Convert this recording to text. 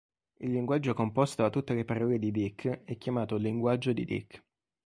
Il linguaggio composto da tutte le parole di Dyck è chiamato linguaggio di Dyck.